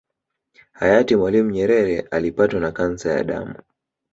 Hayati Mwalimu Nyerere Alipatwa na kansa ya damu